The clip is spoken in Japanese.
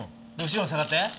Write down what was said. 後ろに下がって。